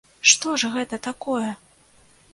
Што ж гэта такое?!